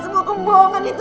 dan semua kebohongan itu